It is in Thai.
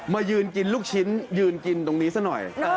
มายืนกินลูกชิ้นยืนกินตรงนี้ซะหน่อย